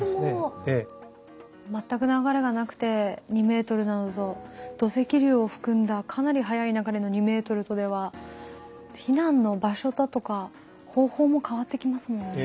全く流れがなくて２ｍなのと土石流を含んだかなり速い流れの２ｍとでは避難の場所だとか方法も変わってきますもんね。